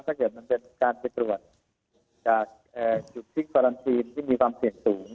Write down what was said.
ถ้าเกิดมันจะเป็นการไปปรวดจากจุฬพิกัดเฮลียนที่มีความเสี่ยงสูง